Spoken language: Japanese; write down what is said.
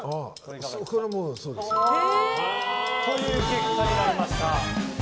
これもそうです。という結果になりました。